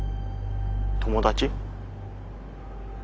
友達？